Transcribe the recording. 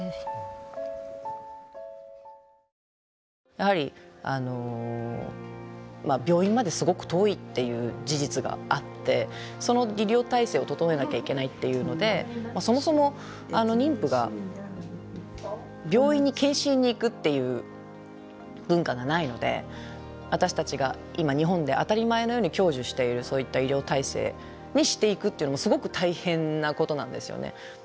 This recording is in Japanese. やはり病院まですごく遠いっていう事実があってその医療体制を整えなきゃいけないっていうのでそもそも妊婦が病院に健診に行くっていう文化がないので私たちが今日本で当たり前のように享受しているそういった医療体制にしていくっていうのもすごく大変なことなんですよね。